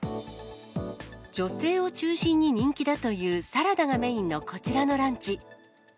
女性を中心に人気だというサラダがメインのこちらのランチ。